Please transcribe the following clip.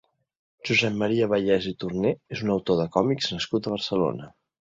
Josep Maria Vallés i Torner és un autor de còmics nascut a Barcelona.